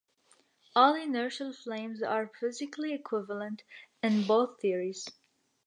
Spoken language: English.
All inertial frames are physically equivalent, in both theories.